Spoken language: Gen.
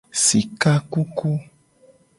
Sika kuku.